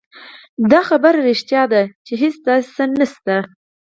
دا خبره رښتيا ده چې هېڅ داسې شی نشته.